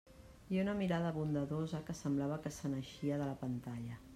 I una mirada bondadosa que semblava que se n'eixia de la pantalla.